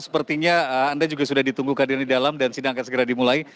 sepertinya anda juga sudah ditunggu keadaan di dalam dan sidang akan segera dimulai